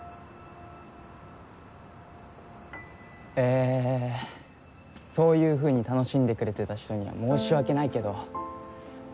えそういうふうに楽しんでくれてた人には申し訳ないけど。